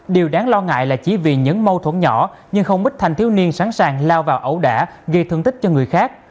điều đáng lo ngại là chỉ vì những mâu thuẫn nhỏ nhưng không ít thanh thiếu niên sẵn sàng lao vào ẩu đả gây thương tích cho người khác